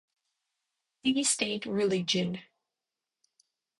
See state religion.